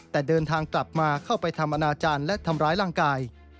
แต่เดินทางกลับมาเข้าไปทำอนาจารย์และทำร้ายร่างกาย